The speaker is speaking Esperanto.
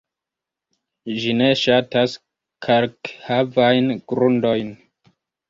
Ĝi ne ŝatas kalkhavajn grundojn.